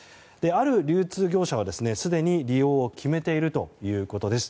ある流通業者は、すでに利用を決めているということです。